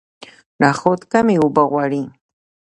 نخود کمې اوبه غواړي.